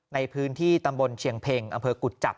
ในพื้นที่ตำรวจเฉียงเพ็งอกุจจับ